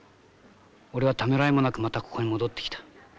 俺はためらいもなくまたここに戻ってきた。